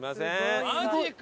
マジか！